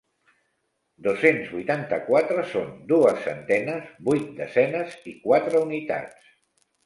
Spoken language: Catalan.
Dos-cents vuitanta-quatre són dues centenes, vuit desenes i quatre unitats.